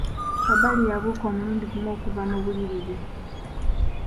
Kabali yabuuka omulundi gumu okuva mu buliri bwe.